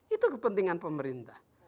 itu kepentingan pemerintah